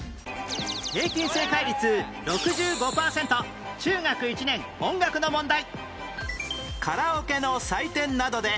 平均正解率６５パーセント中学１年音楽の問題